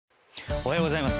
おはようございます。